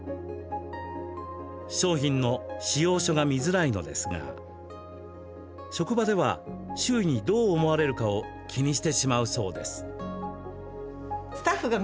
商品の仕様書が見づらいのですが職場では周囲にどう思われるかを気にしてしまうそうです。